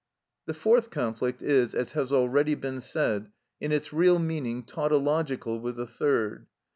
The fourth conflict is, as has already been said, in its real meaning tautological with the third.